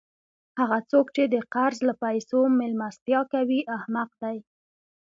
هغه څوک، چي د قرض له پېسو میلمستیا کوي؛ احمق دئ!